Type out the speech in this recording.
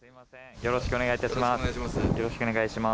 よろしくお願いします。